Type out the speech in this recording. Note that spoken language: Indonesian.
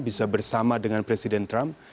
bisa bersama dengan presiden trump